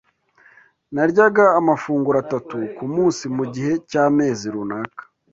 Naryaga amafunguro atatu ku munsi mu gihe cy’amezi runaka